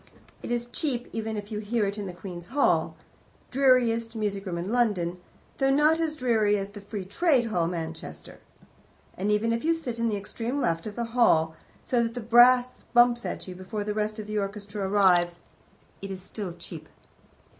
It is cheap, even if you hear it in the Queen's Hall, dreariest music room in London, though not as dreary as the Free Trade Hall, Manchester; and even if you sit on the extreme left of that hall, so that the brass bumps at you before the rest of the orchestra arrives, it is still cheap.